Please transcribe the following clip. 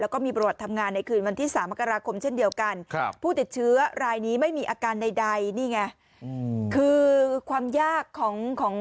แล้วก็มีประวัติทำงานในคืนวันที่๓มกราคมเช่นเดียวกัน